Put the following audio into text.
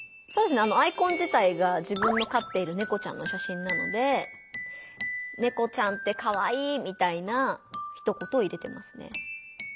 アイコン自体が自分のかっているネコちゃんの写真なので「ネコちゃんってカワイイ」みたいなひと言を入れてますね。